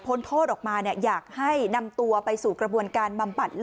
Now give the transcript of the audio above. โทษออกมาอยากให้นำตัวไปสู่กระบวนการบำบัด